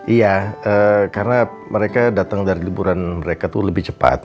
iya karena mereka datang dari liburan mereka itu lebih cepat